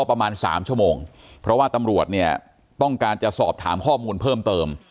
ประมาณสามชั่วโมงเพราะว่าตำรวจเนี่ยต้องการจะสอบถามข้อมูลเพิ่มเติม